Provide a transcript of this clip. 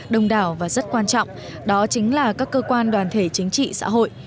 đông đảo và rất quan trọng đó chính là các cơ quan đoàn thể chính trị xã hội